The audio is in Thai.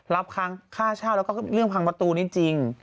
รับค้างค่าเช่าแล้วก็เรื่องพังประตูนี้จริง